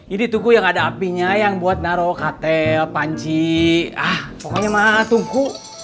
ini tugu yang ada apinya yang buat naro katel panci ah pokoknya mah tungku